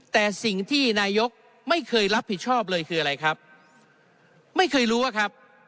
แต่สิ่งที่นายกไม่เคยรับผิดชอบเลยคืออะไรครับไม่เคยรู้อะครับ